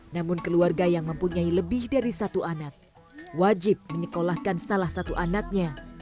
namun keluarga yang mempunyai lebih dari satu anak wajib menyekolahkan salah satu anaknya